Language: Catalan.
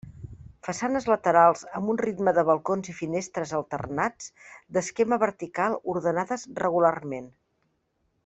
Façanes laterals amb un ritme de balcons i finestres alternats, d'esquema vertical, ordenades regularment.